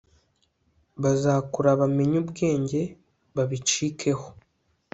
Bazakura bamenye ubwenge babicike ho